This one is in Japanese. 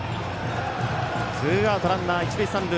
ツーアウト、ランナー、一塁三塁。